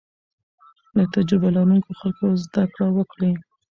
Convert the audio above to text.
له تجربه لرونکو خلکو زده کړه وکړئ.